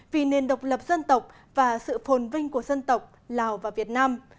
vì nền độc lập dân tộc và sự phồn vinh của dân tộc lào và việt nam